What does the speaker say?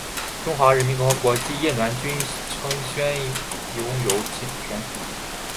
中华人民共和国及越南均宣称拥有其主权。